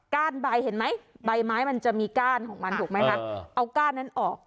้านใบเห็นไหมใบไม้มันจะมีก้านของมันถูกไหมคะเอาก้านนั้นออก